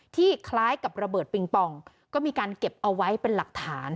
คล้ายกับระเบิดปิงปองก็มีการเก็บเอาไว้เป็นหลักฐาน